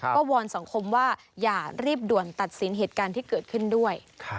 ก็วอนสังคมว่าอย่ารีบด่วนตัดสินเหตุการณ์ที่เกิดขึ้นด้วย